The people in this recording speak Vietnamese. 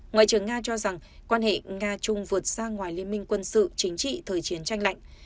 ngoại trưởng nga cho rằng quan hệ nga trung vượt xa ngoài liên minh quân sự chính trị thời chiến tranh lạnh